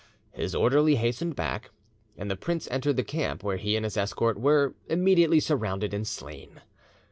His orderly hastened back, and the prince entered the camp, where he and his escort were immediately surrounded and slain.